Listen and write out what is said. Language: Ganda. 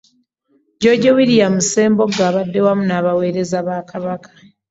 George William Ssembogo abadde wamu n'abaweereza ba Kabaka